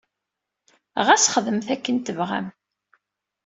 Ɣas xedmet akken tebɣamt.